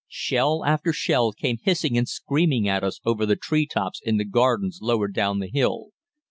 Shell after shell came hissing and screaming at us over the tree tops in the gardens lower down the hill.